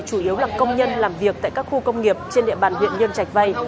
chủ yếu là công nhân làm việc tại các khu công nghiệp trên địa bàn huyện nhân trạch vay